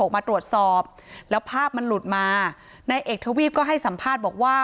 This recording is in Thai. มาตรวจสอบแล้วภาพมันหลุดมานายเอกทวีปก็ให้สัมภาษณ์บอกว่า